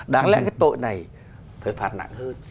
đáng lẽ cái tội này phải phạt nặng hơn